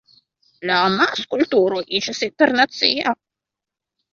La amaskulturo iĝas internacia.